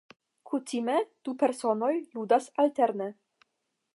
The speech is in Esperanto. Kutime, du personoj ludas alterne.